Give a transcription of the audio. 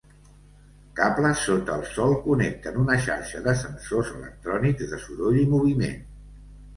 Cables sota el sòl connecten una xarxa de sensors electrònics de soroll i moviment.